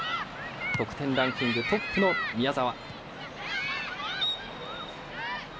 得点ランキングトップの宮澤。